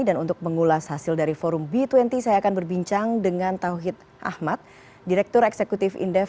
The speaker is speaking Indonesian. dan untuk mengulas hasil dari forum b dua puluh saya akan berbincang dengan tauhid ahmad direktur eksekutif indef